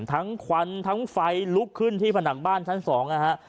ทั้งไฟลุกขึ้นที่ภาห์บ้านชั้นสองนะฮะ